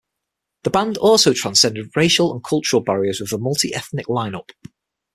The band also transcended racial and cultural barriers with a multi-ethnic line-up.